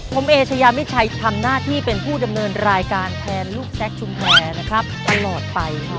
ผมเอเชยามิชัยทำหน้าที่เป็นผู้ดำเนินรายการแทนลูกแซคชุมแพรนะครับตลอดไป